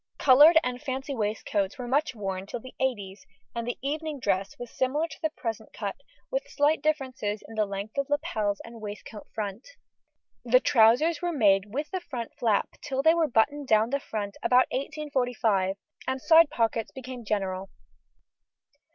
Coloured and fancy waistcoats were much worn till the eighties, and evening dress was similar to the present cut, with slight differences in the length of lapels and waistcoat front. The trousers were made with the front flap till they were buttoned down the front about 1845, and side pockets became general.